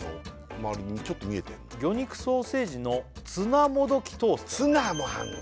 周りにちょっと見えてんの魚肉ソーセージのツナもどきトーストツナもあんだ